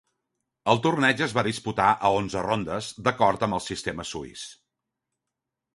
El torneig es va disputar a onze rondes, d'acord amb el sistema suís.